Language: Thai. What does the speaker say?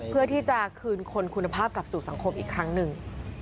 เพื่อที่จะคืนคนคุณภาพกลับสู่สังคมอีกครั้งหนึ่ง